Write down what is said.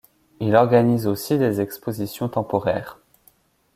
Il organise aussi des expositions temporaires.